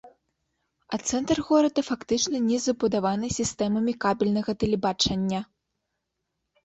А цэнтр горада фактычна не забудаваны сістэмамі кабельнага тэлебачання.